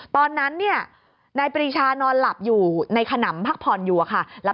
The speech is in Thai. ตอนนั้นเนี่ยนายปรีชานอนหลับอยู่ในขนำพักผ่อนอยู่อะค่ะ